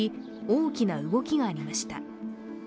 大きな動きがありました。